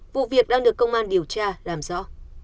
vụ việc đang được công an điều tra làm rõ